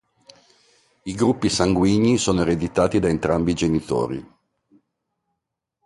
I gruppi sanguigni sono ereditati da entrambi i genitori.